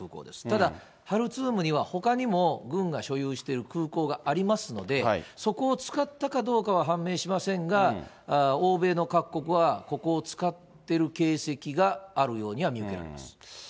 ただ、ハルツームにはほかにも軍が所有している空港がありますので、そこを使ったかどうかは判明しませんが、欧米の各国はここを使ってる形跡があるようには見受けられます。